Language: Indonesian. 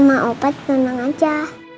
oma sama opet tenang aja